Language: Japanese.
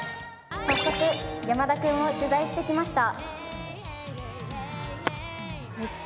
早速、山田君を取材してきました。